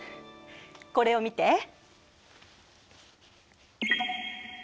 これを見て。